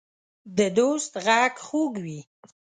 د دوست غږ خوږ وي.